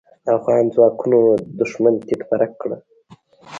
افغان ځواکونو دوښمن تيت و پرک کړ.